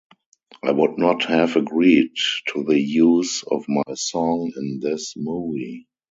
I would not have agreed to the use of my song in this movie.